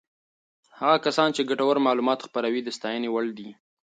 هغه کسان چې ګټور معلومات خپروي د ستاینې وړ دي.